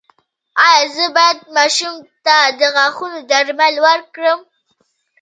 ایا زه باید ماشوم ته د غاښونو درمل ورکړم؟